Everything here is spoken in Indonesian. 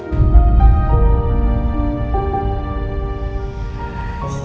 padahal ibu tidak bersalah